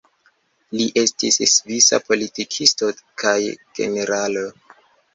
Li estis svisa politikisto kaj generalo.